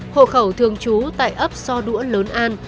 hộ khẩu thường trú tại ấp so đũa lớn an